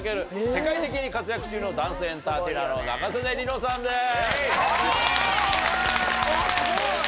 世界的に活躍中のダンスエンターテイナーの仲宗根梨乃さんです。